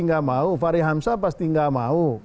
tidak mau fary hamzah pasti tidak mau